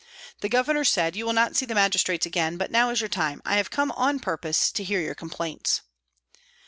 The Governor said, " You will not see the Magistrates again ; but now is your time, I have come on purpose to hear your complaints."